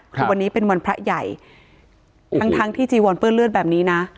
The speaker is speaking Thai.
คือวันนี้เป็นวันพระใหญ่ทั้งทั้งที่จีวอนเปื้อนเลือดแบบนี้นะ